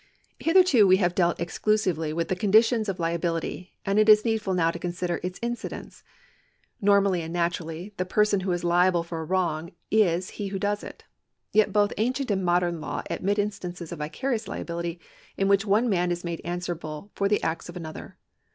Hitherto we have dealt exclusively with the conditions of liability, and it is needful now to consider its incidence. Normally and naturally the person who is liable for a wrong is he who does it. Yet both ancient and modern law admit instances of vicarious liability in which one man is made answerable 'for the acts of another.